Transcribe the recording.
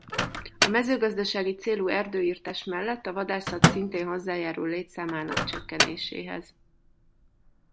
A mezőgazdasági célú erdőirtás mellett a vadászat szintén hozzájárul létszámának csökkenéséhez.